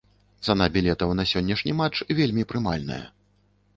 Цана білетаў на сённяшні матч вельмі прымальная.